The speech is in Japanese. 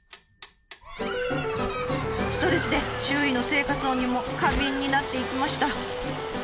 ストレスで周囲の生活音にも過敏になっていきました。